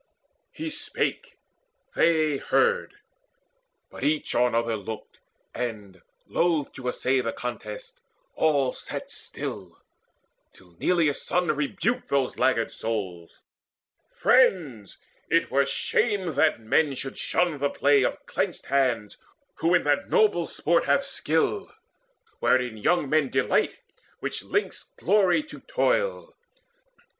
He spake, they heard; but each on other looked, And, loth to essay the contest, all sat still, Till Neleus' son rebuked those laggard souls: "Friends, it were shame that men should shun the play Of clenched hands, who in that noble sport Have skill, wherein young men delight, which links Glory to toil.